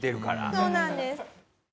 そうなんです。